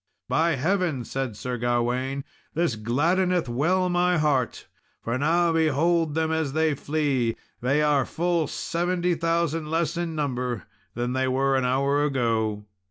"By heaven!" said Sir Gawain, "this gladdeneth well my heart, for now behold them as they flee! they are full seventy thousand less in number than they were an hour ago!"